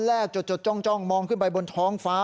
แล้วก็เรียกเพื่อนมาอีก๓ลำ